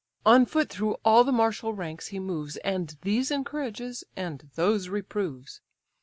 On foot through all the martial ranks he moves And these encourages, and those reproves.